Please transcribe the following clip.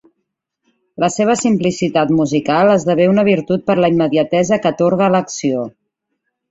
La seva simplicitat musical esdevé una virtut per la immediatesa que atorga a l'acció.